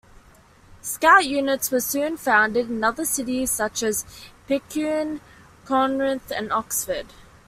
Scout units were soon founded in other cities such as Picayune, Corinth and Oxford.